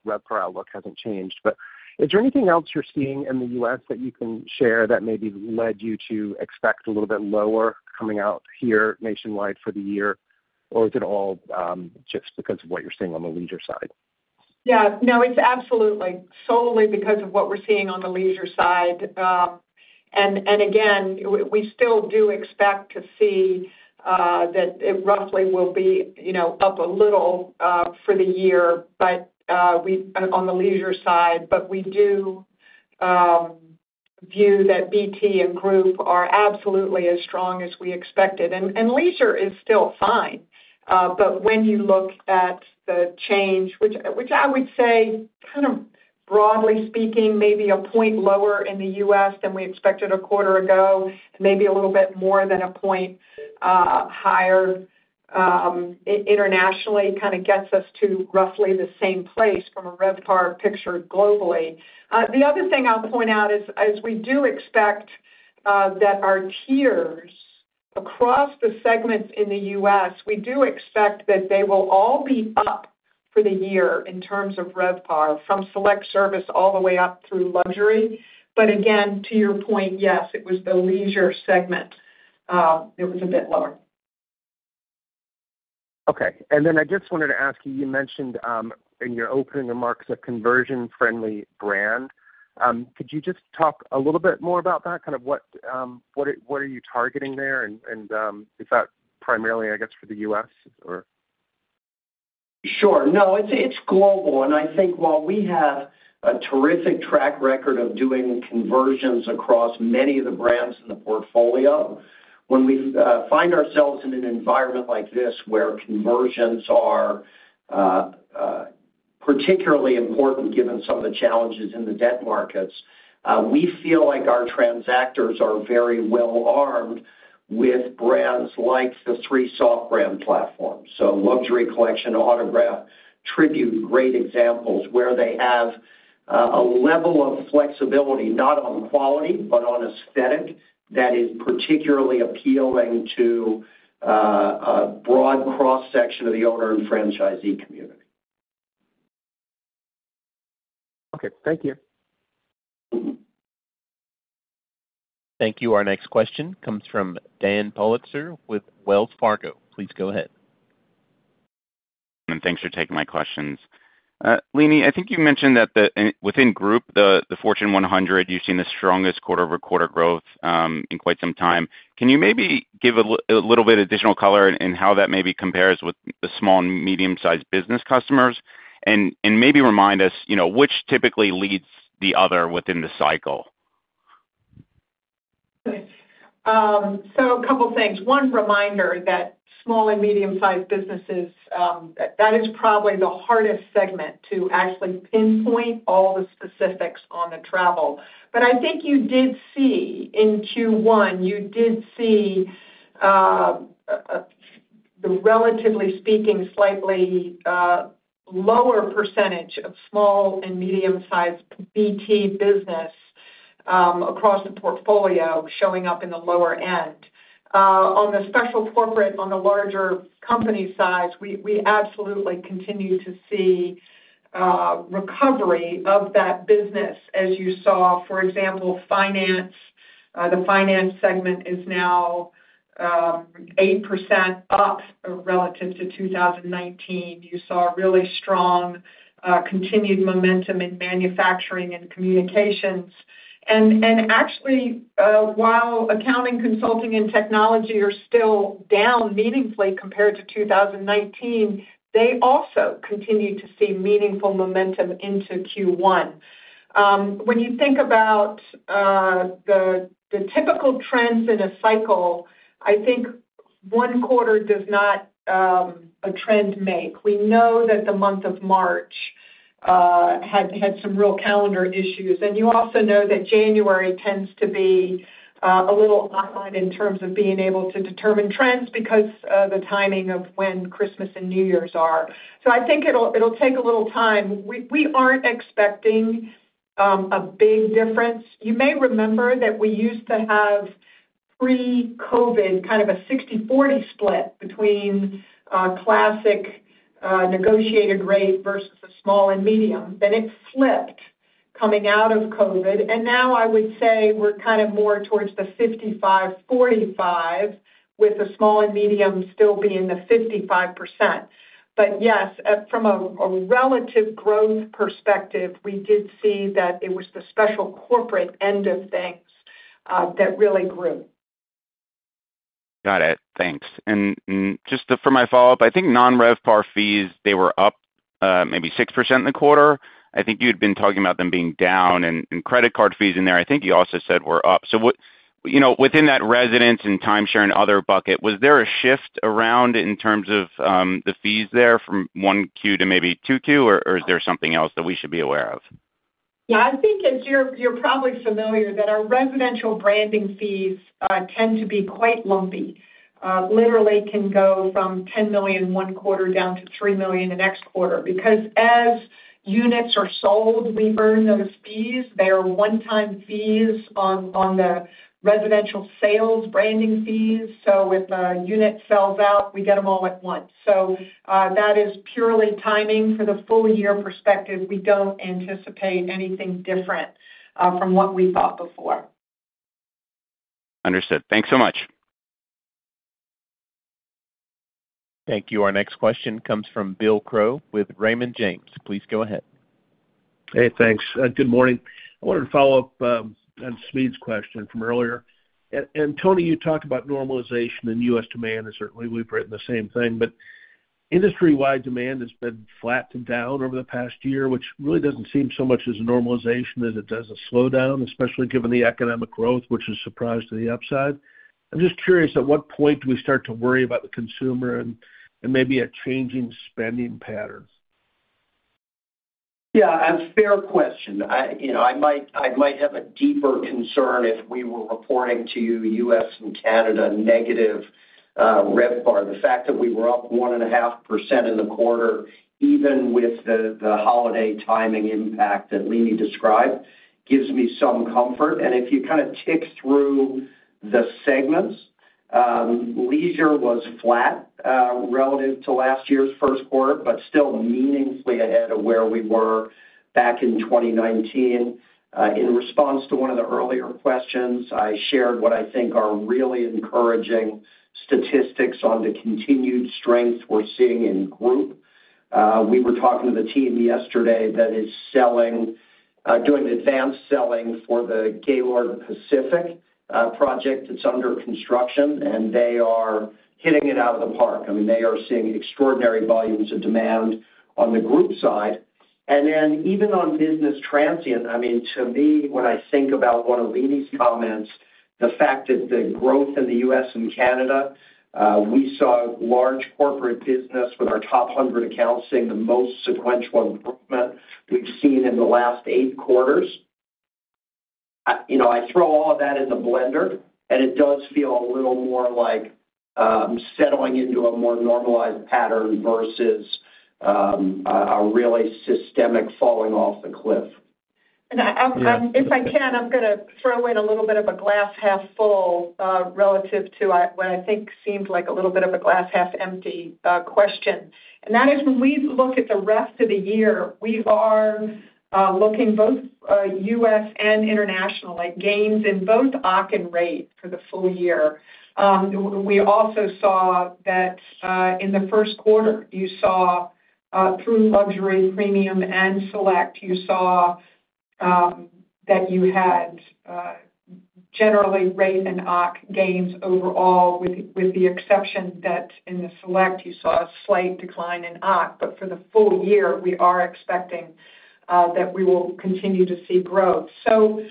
RevPAR outlook hasn't changed. But is there anything else you're seeing in the U.S. that you can share that maybe led you to expect a little bit lower coming out here nationwide for the year? Or is it all just because of what you're seeing on the leisure side? Yeah. No, it's absolutely solely because of what we're seeing on the leisure side. And again, we still do expect to see that it roughly will be up a little for the year on the leisure side. But we do view that BT and Group are absolutely as strong as we expected. And leisure is still fine. But when you look at the change, which I would say, kind of broadly speaking, maybe a point lower in the U.S. than we expected a quarter ago, maybe a little bit more than a point higher internationally, kind of gets us to roughly the same place from a RevPAR picture globally. The other thing I'll point out is we do expect that our tiers across the segments in the U.S., we do expect that they will all be up for the year in terms of RevPAR from select service all the way up through luxury. But again, to your point, yes, it was the leisure segment. It was a bit lower. Okay. And then I just wanted to ask you, you mentioned in your opening remarks a conversion-friendly brand. Could you just talk a little bit more about that? Kind of what are you targeting there? And is that primarily, I guess, for the U.S., or? Sure. No, it's global. I think while we have a terrific track record of doing conversions across many of the brands in the portfolio, when we find ourselves in an environment like this where conversions are particularly important given some of the challenges in the debt markets, we feel like our transactors are very well-armed with brands like the three soft brand platforms. Luxury Collection, Autograph, Tribute, great examples where they have a level of flexibility, not on quality, but on aesthetic, that is particularly appealing to a broad cross-section of the owner and franchisee community. Okay. Thank you. Thank you. Our next question comes from Dan Politzer with Wells Fargo. Please go ahead. Thanks for taking my questions. Leeny, I think you mentioned that within Group, the Fortune 100, you've seen the strongest quarter-over-quarter growth in quite some time. Can you maybe give a little bit of additional color in how that maybe compares with the small and medium-sized business customers and maybe remind us which typically leads the other within the cycle? So, a couple of things. One, reminder that small and medium-sized businesses, that is probably the hardest segment to actually pinpoint all the specifics on the travel. But I think you did see in Q1, you did see the relatively speaking, slightly lower percentage of small and medium-sized BT business across the portfolio showing up in the lower end. On the special corporate, on the larger company size, we absolutely continue to see recovery of that business as you saw, for example, finance. The finance segment is now 8% up relative to 2019. You saw really strong continued momentum in manufacturing and communications. And actually, while accounting, consulting, and technology are still down meaningfully compared to 2019, they also continue to see meaningful momentum into Q1. When you think about the typical trends in a cycle, I think one quarter does not a trend make. We know that the month of March had some real calendar issues. You also know that January tends to be a little odd in terms of being able to determine trends because of the timing of when Christmas and New Year's are. I think it'll take a little time. We aren't expecting a big difference. You may remember that we used to have pre-COVID kind of a 60/40 split between classic negotiated rate versus a small and medium. It flipped coming out of COVID. Now I would say we're kind of more towards the 55/45 with the small and medium still being the 55%. Yes, from a relative growth perspective, we did see that it was the special corporate end of things that really grew. Got it. Thanks. And just for my follow-up, I think non-RevPAR fees, they were up maybe 6% in the quarter. I think you had been talking about them being down. And credit card fees in there, I think you also said were up. So within that residence and timeshare and other bucket, was there a shift around in terms of the fees there from 1Q to maybe 2Q, or is there something else that we should be aware of? Yeah. I think, as you're probably familiar, that our residential branding fees tend to be quite lumpy. Literally can go from $10 million one quarter down to $3 million the next quarter. Because as units are sold, we earn those fees. They are one-time fees on the residential sales branding fees. So if a unit sells out, we get them all at once. So that is purely timing for the full-year perspective. We don't anticipate anything different from what we thought before. Understood. Thanks so much. Thank you. Our next question comes from Bill Crow with Raymond James. Please go ahead. Hey. Thanks. Good morning. I wanted to follow up on Smedes's question from earlier. Tony, you talked about normalization and U.S. demand. Certainly, we've written the same thing. But industry-wide demand has been flattened down over the past year, which really doesn't seem so much as a normalization as it does a slowdown, especially given the economic growth, which is surprised to the upside. I'm just curious, at what point do we start to worry about the consumer and maybe a changing spending pattern? Yeah. That's a fair question. I might have a deeper concern if we were reporting to you U.S. and Canada negative RevPAR. The fact that we were up 1.5% in the quarter, even with the holiday timing impact that Leeny described, gives me some comfort. If you kind of tick through the segments, leisure was flat relative to last year's first quarter, but still meaningfully ahead of where we were back in 2019. In response to one of the earlier questions, I shared what I think are really encouraging statistics on the continued strength we're seeing in Group. We were talking to the team yesterday that is doing advanced selling for the Gaylord Pacific project. It's under construction. They are hitting it out of the park. I mean, they are seeing extraordinary volumes of demand on the Group side. And then even on business transient, I mean, to me, when I think about one of Leeny's comments, the fact that the growth in the U.S. and Canada, we saw large corporate business with our top 100 accounts seeing the most sequential improvement we've seen in the last 8 quarters. I throw all of that in the blender, and it does feel a little more like settling into a more normalized pattern versus a really systemic falling off the cliff. And if I can, I'm going to throw in a little bit of a glass half full relative to what I think seemed like a little bit of a glass half empty question. And that is when we look at the rest of the year, we are looking both U.S. and international, like gains in both OC and rate for the full year. We also saw that in the first quarter. You saw through Luxury, Premium, and Select, you saw that you had generally rate and OC gains overall, with the exception that in the Select, you saw a slight decline in OC. But for the full year, we are expecting that we will continue to see growth. So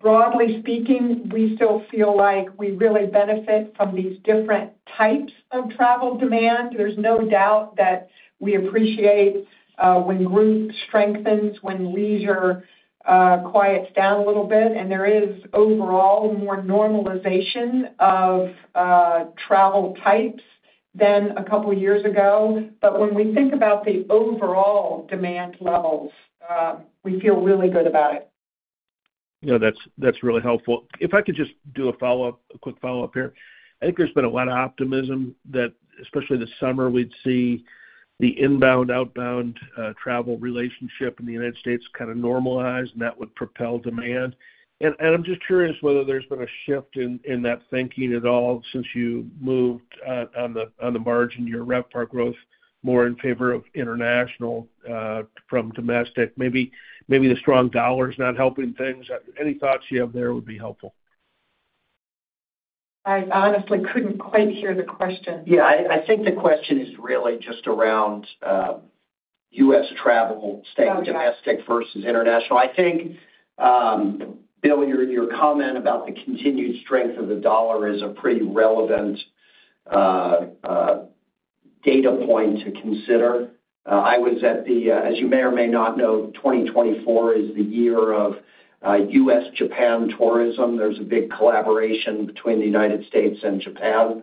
broadly speaking, we still feel like we really benefit from these different types of travel demand. There's no doubt that we appreciate when Group strengthens, when leisure quiets down a little bit. And there is overall more normalization of travel types than a couple of years ago. But when we think about the overall demand levels, we feel really good about it. That's really helpful. If I could just do a quick follow-up here. I think there's been a lot of optimism that especially this summer, we'd see the inbound-outbound travel relationship in the United States kind of normalize, and that would propel demand. I'm just curious whether there's been a shift in that thinking at all since you moved on the margin, your RevPAR growth, more in favor of international from domestic. Maybe the strong dollar is not helping things. Any thoughts you have there would be helpful. I honestly couldn't quite hear the question. Yeah. I think the question is really just around U.S. travel staying domestic versus international. I think, Bill, your comment about the continued strength of the U.S. dollar is a pretty relevant data point to consider. I was at the, as you may or may not know, 2024 is the year of U.S.-Japan tourism. There's a big collaboration between the United States and Japan.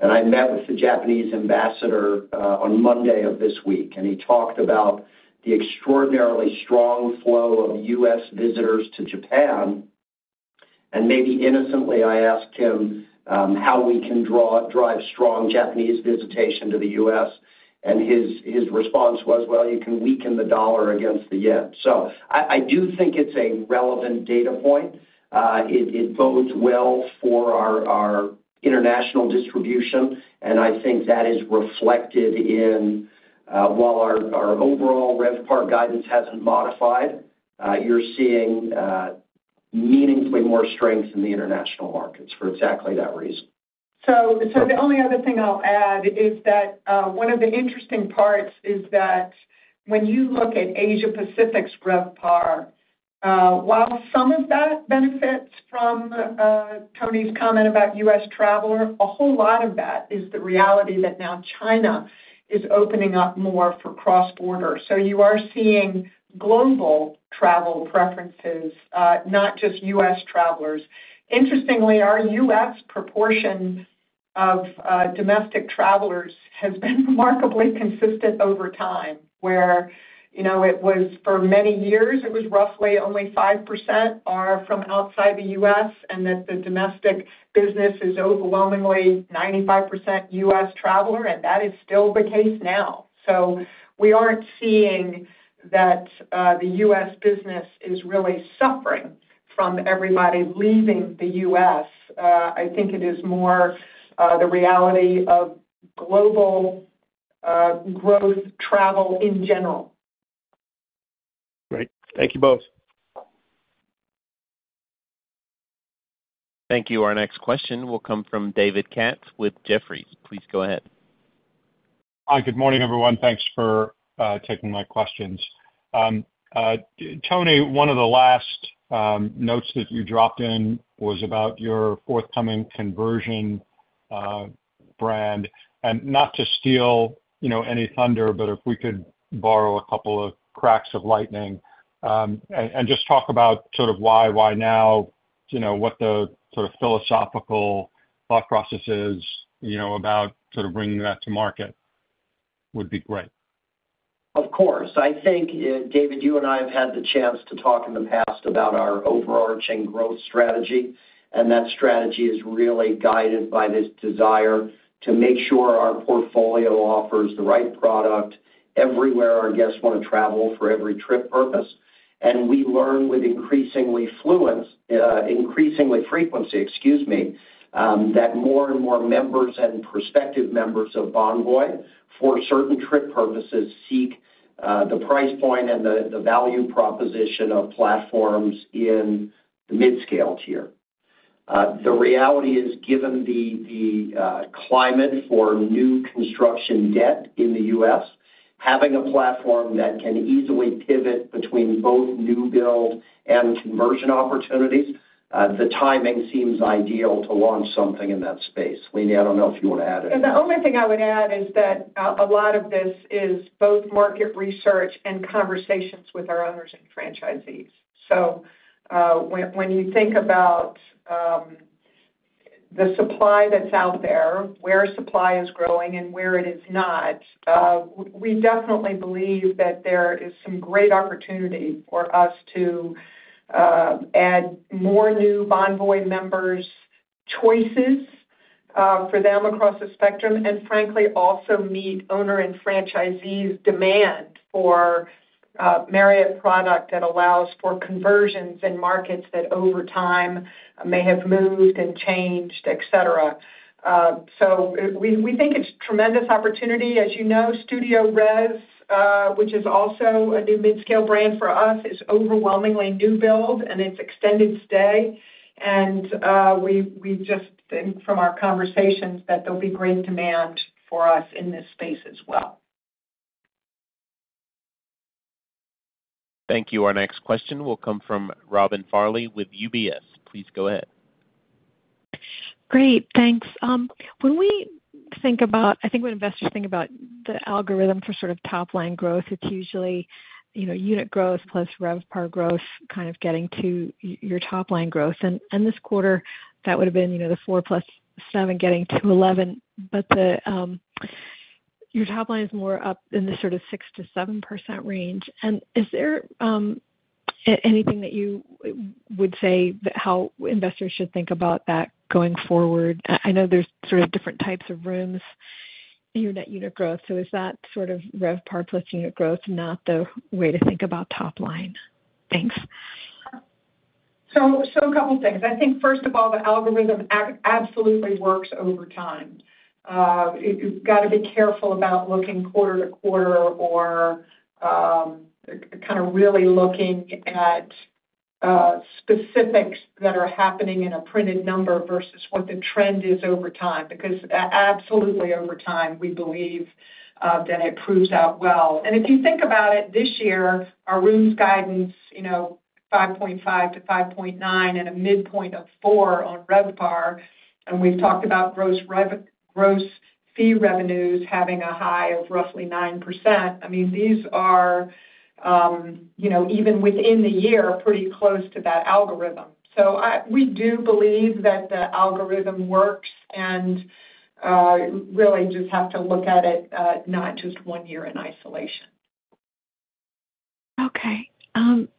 And I met with the Japanese ambassador on Monday of this week. And he talked about the extraordinarily strong flow of U.S. visitors to Japan. And maybe innocently, I asked him how we can drive strong Japanese visitation to the U.S. And his response was, "Well, you can weaken the U.S. dollar against the yen." So I do think it's a relevant data point. It bodes well for our international distribution. I think that is reflected in, while our overall RevPAR guidance hasn't modified, you're seeing meaningfully more strength in the international markets for exactly that reason. So the only other thing I'll add is that one of the interesting parts is that when you look at Asia-Pacific's RevPAR, while some of that benefits from Tony's comment about U.S. traveler, a whole lot of that is the reality that now China is opening up more for cross-border. So you are seeing global travel preferences, not just U.S. travelers. Interestingly, our U.S. proportion of domestic travelers has been remarkably consistent over time, where it was for many years, it was roughly only 5% are from outside the U.S. and that the domestic business is overwhelmingly 95% U.S. traveler. And that is still the case now. So we aren't seeing that the U.S. business is really suffering from everybody leaving the U.S. I think it is more the reality of global growth travel in general. Great. Thank you both. Thank you. Our next question will come from David Katz with Jefferies. Please go ahead. Hi. Good morning, everyone. Thanks for taking my questions. Tony, one of the last notes that you dropped in was about your forthcoming conversion brand. And not to steal any thunder, but if we could borrow a couple of cracks of lightning and just talk about sort of why, why now, what the sort of philosophical thought process is about sort of bringing that to market would be great. Of course. I think, David, you and I have had the chance to talk in the past about our overarching growth strategy. That strategy is really guided by this desire to make sure our portfolio offers the right product everywhere our guests want to travel for every trip purpose. We learn with increasingly frequency, excuse me, that more and more members and prospective members of Bonvoy for certain trip purposes seek the price point and the value proposition of platforms in the mid-scale tier. The reality is, given the climate for new construction debt in the U.S., having a platform that can easily pivot between both new build and conversion opportunities, the timing seems ideal to launch something in that space. Leeny, I don't know if you want to add anything. The only thing I would add is that a lot of this is both market research and conversations with our owners and franchisees. When you think about the supply that's out there, where supply is growing and where it is not, we definitely believe that there is some great opportunity for us to add more new Bonvoy members' choices for them across the spectrum and, frankly, also meet owner and franchisee's demand for Marriott product that allows for conversions in markets that over time may have moved and changed, etc. We think it's a tremendous opportunity. As you know, StudioRes, which is also a new mid-scale brand for us, is overwhelmingly new build. It's extended stay. We just think from our conversations that there'll be great demand for us in this space as well. Thank you. Our next question will come from Robin Farley with UBS. Please go ahead. Great. Thanks. When investors think about the algorithm for sort of top-line growth, it's usually unit growth plus RevPAR growth kind of getting to your top-line growth. This quarter, that would have been the 4 + 7 getting to 11. Your top-line is more up in the sort of 6%-7% range. Is there anything that you would say how investors should think about that going forward? I know there's sort of different types of rooms in your net unit growth. Is that sort of RevPAR plus unit growth, not the way to think about top-line? Thanks. So a couple of things. I think, first of all, the algorithm absolutely works over time. You've got to be careful about looking quarter-to-quarter or kind of really looking at specifics that are happening in a printed number versus what the trend is over time. Because absolutely, over time, we believe that it proves out well. And if you think about it, this year, our rooms guidance, 5.5%-5.9% and a midpoint of 4% on RevPAR. And we've talked about gross fee revenues having a high of roughly 9%. I mean, these are, even within the year, pretty close to that algorithm. So we do believe that the algorithm works and really just have to look at it, not just one year in isolation. Okay.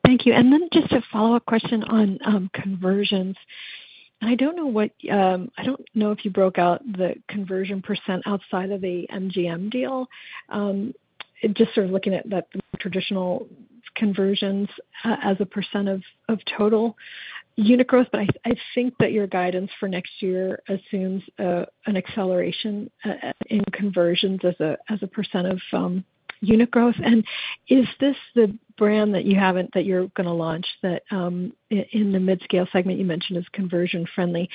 Thank you. And then just a follow-up question on conversions. And I don't know if you broke out the conversion % outside of the MGM deal. Just sort of looking at the traditional conversions as a % of total unit growth. But I think that your guidance for next year assumes an acceleration in conversions as a % of unit growth. And is this the brand that you're going to launch that, in the mid-scale segment you mentioned, is conversion-friendly?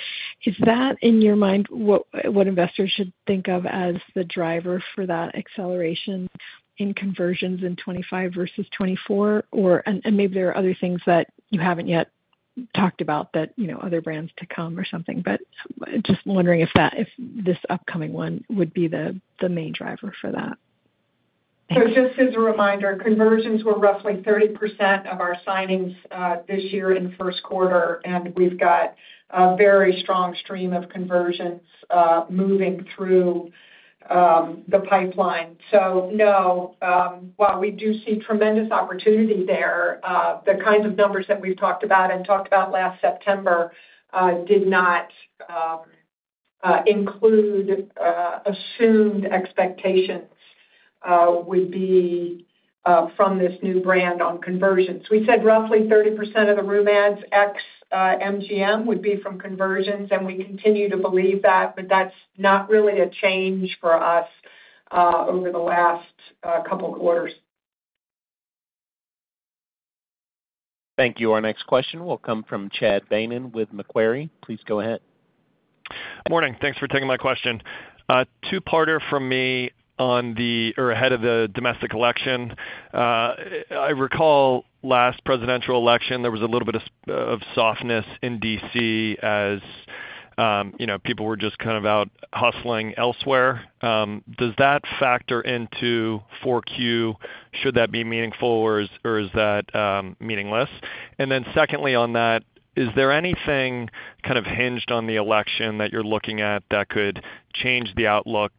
Is that, in your mind, what investors should think of as the driver for that acceleration in conversions in 2025 versus 2024? And maybe there are other things that you haven't yet talked about, other brands to come or something. But just wondering if this upcoming one would be the main driver for that. So just as a reminder, conversions were roughly 30% of our signings this year in first quarter. And we've got a very strong stream of conversions moving through the pipeline. So no, while we do see tremendous opportunity there, the kinds of numbers that we've talked about and talked about last September did not include assumed expectations would be from this new brand on conversions. We said roughly 30% of the room adds, ex-MGM, would be from conversions. And we continue to believe that. But that's not really a change for us over the last couple of quarters. Thank you. Our next question will come from Chad Beynon with Macquarie. Please go ahead. Good morning. Thanks for taking my question. Two-parter from me on the, or ahead of, the domestic election. I recall last presidential election, there was a little bit of softness in D.C. as people were just kind of out hustling elsewhere. Does that factor into 4Q? Should that be meaningful, or is that meaningless? And then secondly on that, is there anything kind of hinged on the election that you're looking at that could change the outlook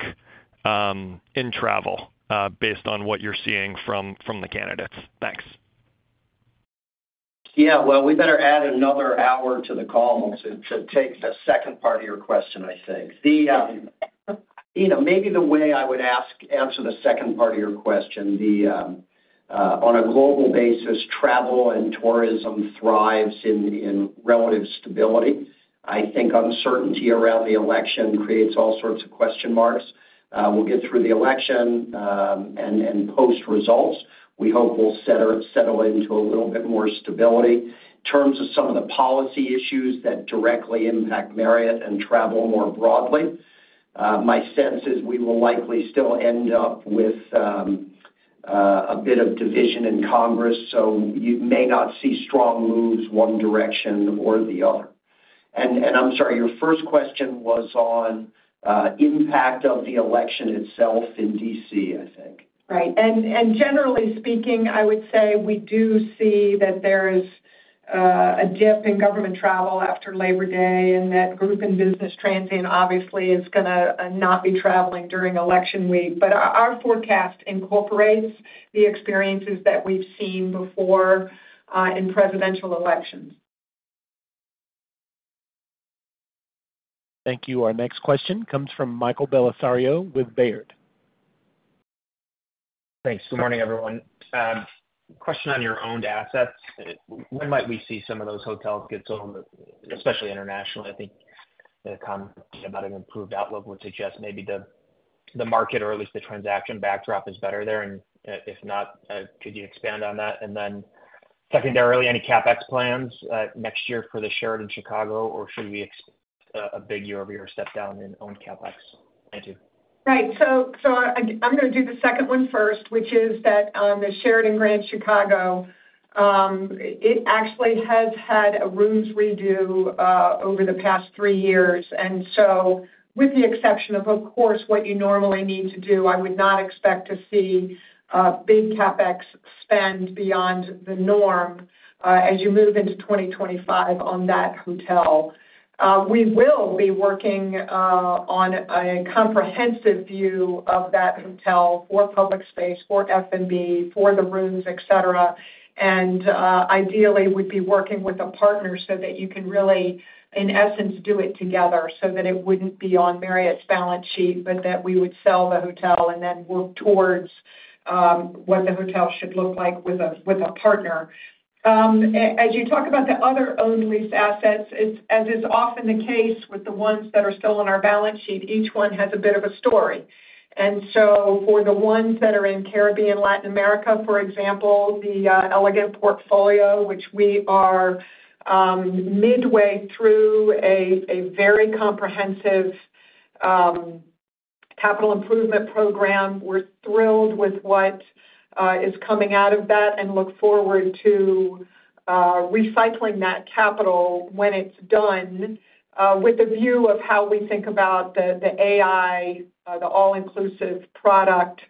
in travel based on what you're seeing from the candidates? Thanks. Yeah. Well, we better add another hour to the call to take the second part of your question, I think. Maybe the way I would answer the second part of your question, on a global basis, travel and tourism thrives in relative stability. I think uncertainty around the election creates all sorts of question marks. We'll get through the election and post-results. We hope we'll settle into a little bit more stability in terms of some of the policy issues that directly impact Marriott and travel more broadly. My sense is we will likely still end up with a bit of division in Congress. So you may not see strong moves one direction or the other. And I'm sorry, your first question was on the impact of the election itself in D.C., I think. Right. Generally speaking, I would say we do see that there is a dip in government travel after Labor Day. That group and business transient, obviously, is going to not be traveling during election week. Our forecast incorporates the experiences that we've seen before in presidential elections. Thank you. Our next question comes from Michael Bellisario with Baird. Thanks. Good morning, everyone. Question on your owned assets. When might we see some of those hotels get sold, especially internationally? I think commenting about an improved outlook would suggest maybe the market, or at least the transaction backdrop, is better there. And if not, could you expand on that? And then secondarily, any CapEx plans next year for the Sheraton Chicago, or should we expect a big year-over-year step down in owned CapEx? Thank you. Right. So I'm going to do the second one first, which is that on the Sheraton Grand Chicago, it actually has had a rooms redo over the past three years. And so with the exception of, of course, what you normally need to do, I would not expect to see big CapEx spend beyond the norm as you move into 2025 on that hotel. We will be working on a comprehensive view of that hotel for public space, for F&B, for the rooms, etc. And ideally, we'd be working with a partner so that you can really, in essence, do it together so that it wouldn't be on Marriott's balance sheet, but that we would sell the hotel and then work towards what the hotel should look like with a partner. As you talk about the other owned lease assets, as is often the case with the ones that are still on our balance sheet, each one has a bit of a story. So for the ones that are in Caribbean and Latin America, for example, the Elegant portfolio, which we are midway through a very comprehensive capital improvement program, we're thrilled with what is coming out of that and look forward to recycling that capital when it's done with a view of how we think about the AI, the all-inclusive product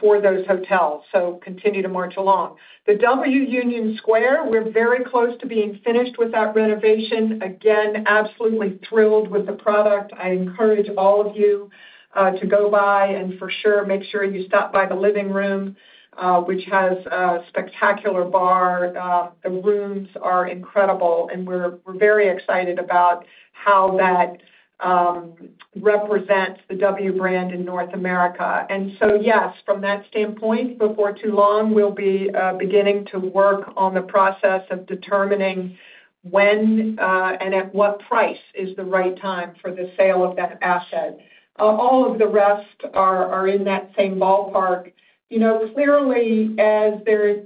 for those hotels. So continue to march along. The W Union Square, we're very close to being finished with that renovation. Again, absolutely thrilled with the product. I encourage all of you to go by and for sure make sure you stop by the living room, which has a spectacular bar. The rooms are incredible. We're very excited about how that represents the W brand in North America. So yes, from that standpoint, before too long, we'll be beginning to work on the process of determining when and at what price is the right time for the sale of that asset. All of the rest are in that same ballpark. Clearly, as there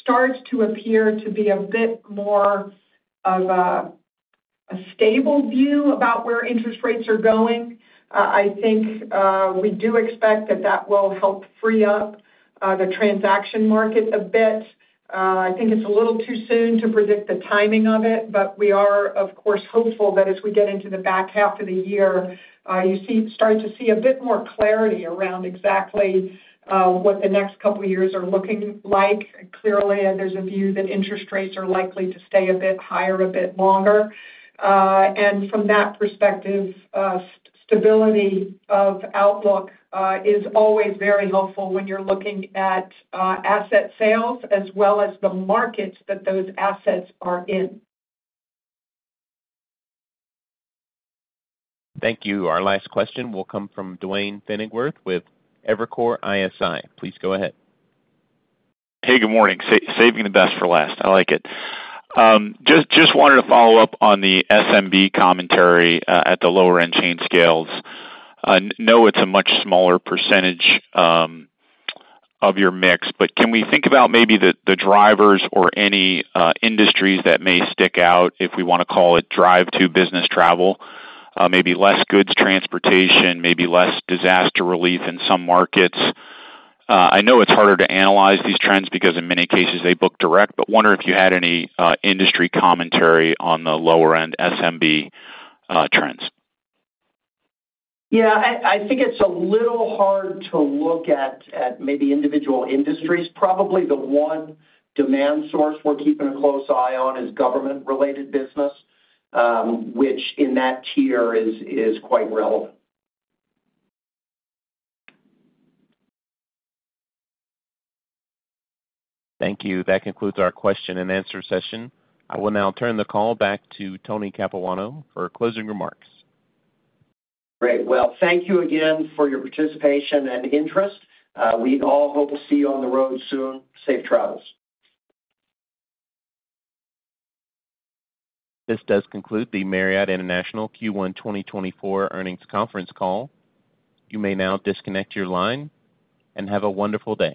starts to appear to be a bit more of a stable view about where interest rates are going, I think we do expect that that will help free up the transaction market a bit. I think it's a little too soon to predict the timing of it. But we are, of course, hopeful that as we get into the back half of the year, you start to see a bit more clarity around exactly what the next couple of years are looking like. Clearly, there's a view that interest rates are likely to stay a bit higher a bit longer. From that perspective, stability of outlook is always very helpful when you're looking at asset sales as well as the markets that those assets are in. Thank you. Our last question will come from Duane Pfennigwerth with Evercore ISI. Please go ahead. Hey. Good morning. Saving the best for last. I like it. Just wanted to follow up on the SMB commentary at the lower-end chain scales. I know it's a much smaller percentage of your mix. But can we think about maybe the drivers or any industries that may stick out, if we want to call it drive-to business travel, maybe less goods transportation, maybe less disaster relief in some markets? I know it's harder to analyze these trends because, in many cases, they book direct. But wonder if you had any industry commentary on the lower-end SMB trends. Yeah. I think it's a little hard to look at maybe individual industries. Probably the one demand source we're keeping a close eye on is government-related business, which in that tier is quite relevant. Thank you. That concludes our question-and-answer session. I will now turn the call back to Tony Capuano for closing remarks. Great. Well, thank you again for your participation and interest. We all hope to see you on the road soon. Safe travels. This does conclude the Marriott International Q1 2024 earnings conference call. You may now disconnect your line and have a wonderful day.